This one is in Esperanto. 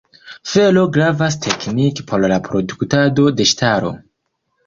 Fero gravas teknike por la produktado de ŝtalo.